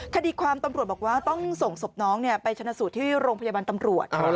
คดีความตำรวจบอกว่าต้องส่งศพน้องไปชนะสูตรที่โรงพยาบาลตำรวจ